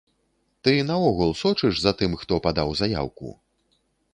Ты, наогул, сочыш за тым, хто падаў заяўку?